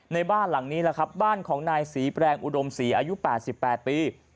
ในบ้านหลังนี้แหละครับบ้านของนายศรีแปลงอุดมศรีอายุ๘๘ปี